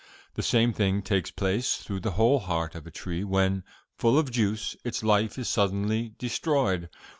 The same thing takes place through the whole heart of a tree when, full of juice, its life is suddenly destroyed.'